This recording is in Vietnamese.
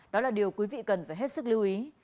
đó là điều quý vị cần phải hết sức lưu ý